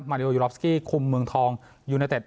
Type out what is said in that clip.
ริโอยูรอฟสกี้คุมเมืองทองยูเนเต็ด